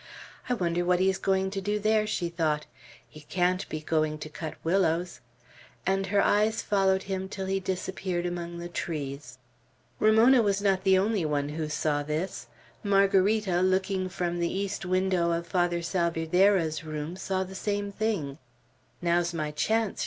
"I wonder what he is going to do there," she thought. "He can't be going to cut willows;" and her eyes followed him till he disappeared among the trees. Ramona was not the only one who saw this. Margarita, looking from the east window of Father Salvierderra's room, saw the same thing. "Now's my chance!"